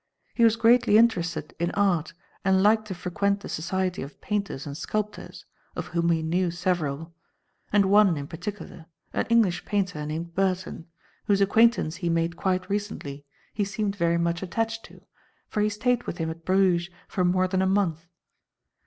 He was greatly interested in art and liked to frequent the society of painters and sculptors, of whom he knew several; and one, in particular an English painter named Burton, whose acquaintance he made quite recently he seemed very much attached to, for he stayed with him at Bruges for more than a month.